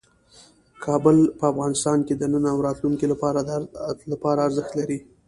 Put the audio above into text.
کابل په افغانستان کې د نن او راتلونکي لپاره ارزښت لري.